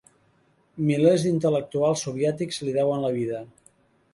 Milers d'intel·lectuals soviètics li deuen la vida.